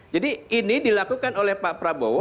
jadi ini dilakukan oleh pak prabowo